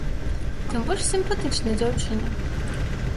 Тым больш сімпатычнай дзяўчыне!